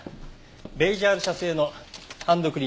ベイジャール社製のハンドクリームです。